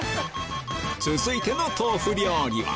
続いての豆腐料理は？